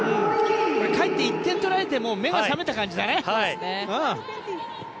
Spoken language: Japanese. かえって１点取られて目が覚めた感じだね。